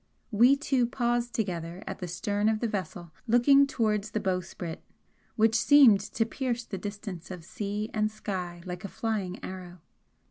We two paused together at the stern of the vessel looking towards the bowsprit, which seemed to pierce the distance of sea and sky like a flying arrow.